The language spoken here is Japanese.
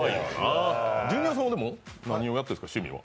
ジュニアさんは何をやってたんですか、趣味は。